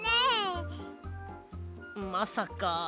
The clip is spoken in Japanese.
まさか。